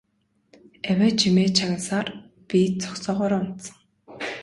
Авиа чимээ чагнасаар би зогсоогоороо унтсан.